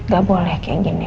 gak boleh kayak gini